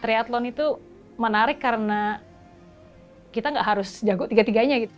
triathlon itu menarik karena kita gak harus jago tiga tiganya gitu